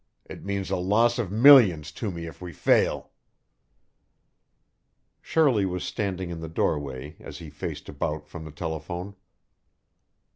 It means a loss of millions to me if we fail!" Shirley was standing in the doorway as he faced about from the telephone.